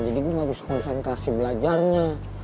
jadi gue gak bisa konsentrasi belajarnya